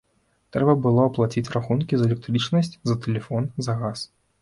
Трэба было аплаціць рахункі за электрычнасць, за тэлефон, за газ.